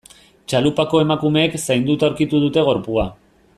Txalupako emakumeek zainduta aurkitu dute gorpua.